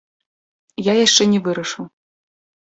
Я яшчэ не вырашыў.